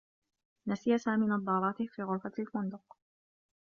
نسي سامي نظّاراته في غرفة الفندق.